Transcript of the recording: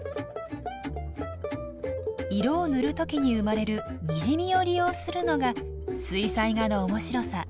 色を塗る時に生まれるにじみを利用するのが水彩画の面白さ。